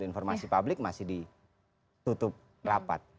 informasi publik masih ditutup rapat